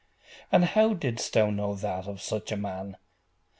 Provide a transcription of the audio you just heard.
'And how didst thou know that of such a man?